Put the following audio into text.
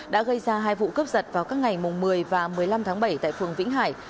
đã gây ra hai vụ cướp giật vào các ngày một mươi và một mươi năm tháng bảy tại phường vĩnh hải